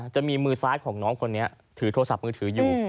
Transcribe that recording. จะมีมือซ้ายของน้องคนนี้ถือโทรศัพท์มือถืออยู่